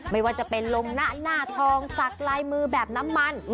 ไม่ว่าจะเป็นลงหน้าหน้าทองสักลายมือแบบน้ำมัน